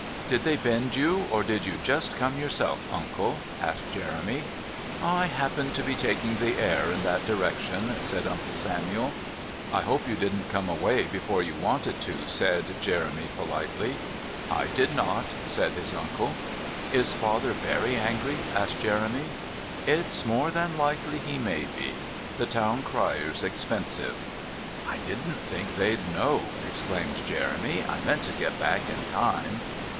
"Did they bend you, or did you just come yourself, Uncle?" asked Jeremy. "I happened to be taking the air in that direction," said Uncle Samuel. "I hope you didn't come away before you wanted to," said Jeremy politely. "I did not," said his uncle. "Is Father very angry?" asked Jeremy. "It's more than likely he may be. The Town Crier's expensive." "I didn't think they'd know," explained Jeremy. "I meant to get back in time."